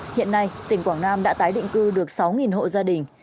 hiện nay tỉnh quảng nam đã tái định cư được sáu hộ gia đình